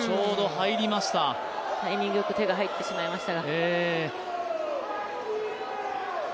タイミングよく手が入ってしまいました。